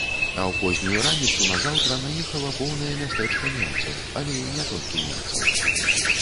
А ў познюю раніцу назаўтра наехала поўнае мястэчка немцаў, але і не толькі немцаў.